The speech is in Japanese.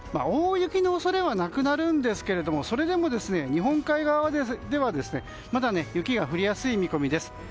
大雪の恐れはなくなるんですけどそれでも日本海側ではまだ雪が降りやすい見込みです。